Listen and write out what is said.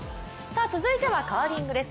続いてはカーリングです。